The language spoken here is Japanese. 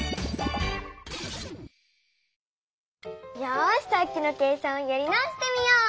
よしさっきの計算をやり直してみよう！